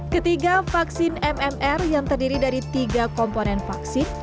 ketiga vaksin mmr yang terdiri dari tiga komponen vaksin